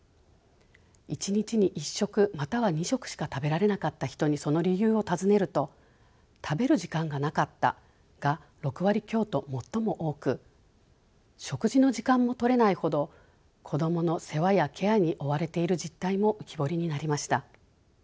１日に１食または２食しか食べられなかった人にその理由を尋ねると「食べる時間がなかった」が６割強と最も多く食事の時間も取れないほど子どもの世話やケアに追われている実態も浮き彫りになりました。